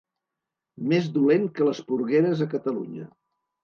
Més dolent que les porgueres a Catalunya.